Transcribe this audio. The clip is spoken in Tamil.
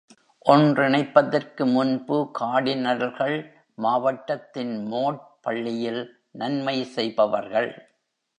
ஒன்றிணைப்பதற்கு முன்பு கார்டினல்கள் மாவட்டத்தின் மோட் பள்ளியில் நன்மை செய்பவர்கள் .